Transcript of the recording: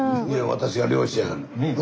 私が漁師やの。